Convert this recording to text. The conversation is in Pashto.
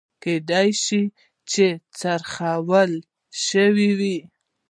کېدای شي چې خرڅ شوي وي